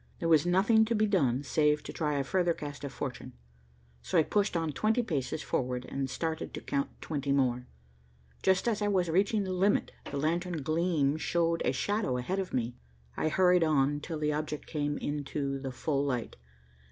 There was nothing to be done save to try a further cast of fortune, so I pushed on twenty paces forward and started to count twenty more. Just as I was reaching the limit, the lantern gleam showed a shadow ahead of me. I hurried on till the object came into the full light.